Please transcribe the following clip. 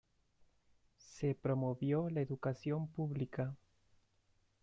Se promovió la educación pública.